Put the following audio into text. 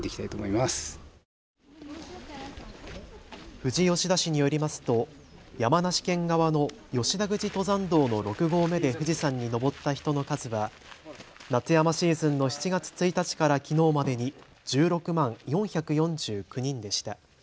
富士吉田市によりますと山梨県側の吉田口登山道の６合目で富士山に登った人の数は夏山シーズンの７月１日からきのうまでに１６万４４９人でした。